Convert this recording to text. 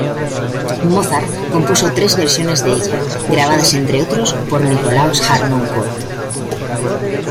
Mozart compuso tres versiones de ella, grabadas entre otros por Nikolaus Harnoncourt.